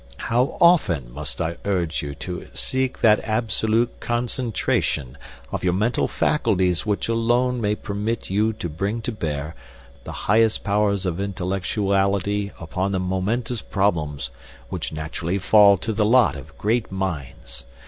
"How often must I urge you to seek that absolute concentration of your mental faculties which alone may permit you to bring to bear the highest powers of intellectuality upon the momentous problems which naturally fall to the lot of great minds?